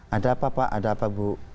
ada apa pak ada apa bu